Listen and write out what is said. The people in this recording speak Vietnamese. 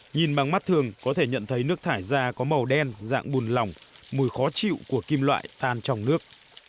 nhìn bằng mắt thường có thể nhận thấy nước thải ra có màu đen dạng bùn lỏng mùi khó chịu của kim loại than trong nước